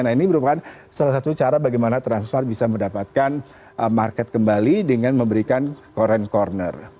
nah ini merupakan salah satu cara bagaimana transmart bisa mendapatkan market kembali dengan memberikan korean corner